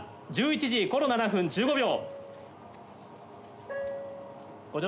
１１時７分１５秒。